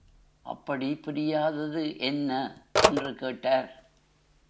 அப்படி புரியாதது என்ன? என்று கேட்டார்.